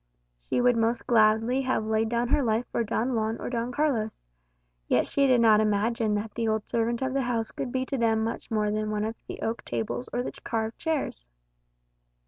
She would most gladly have laid down her life for Don Juan or Don Carlos; yet she did not imagine that the old servant of the house could be to them much more than one of the oak tables or the carved chairs.